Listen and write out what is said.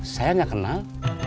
saya gak kenal